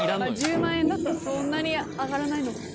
１０万円だとそんなに上がらないのかも。